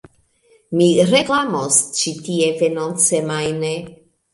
Mi reklamos ĉi tie venontsemajne